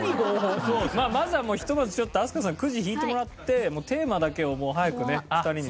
まずはひとまず飛鳥さんくじ引いてもらってテーマだけを早くね２人に伝えてあげないと。